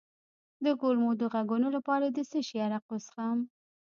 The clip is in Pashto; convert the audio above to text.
د کولمو د غږونو لپاره د څه شي عرق وڅښم؟